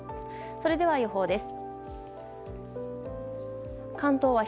それでは予報です。